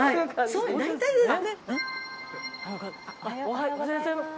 おはようございます。